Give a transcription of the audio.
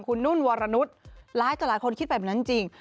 คุณนุ่นวรนุษย์หลายต่อหลายคนคิดแบบนั้นจริง